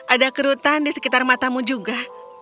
ada kerutan di sekitar matamu juga